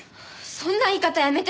そんな言い方やめて！